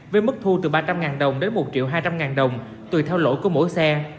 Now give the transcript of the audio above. với mức thu từ ba trăm linh đồng đến một triệu hai trăm linh đồng tùy theo lỗi của mỗi xe